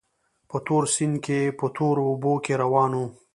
په تور سیند کې په تورو اوبو کې روان وو.